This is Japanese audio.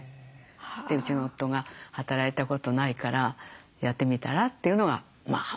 でうちの夫が「働いたことないからやってみたら？」というのが本当に初め。